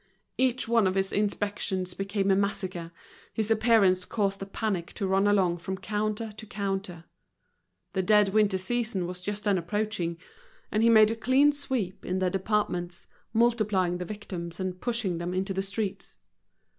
Each one of his inspections became a massacre, his appearance caused a panic to run along from counter to counter. The dead winter season was just then approaching, and he made a clean sweep in the departments, multiplying the victims and pushing them into the streets.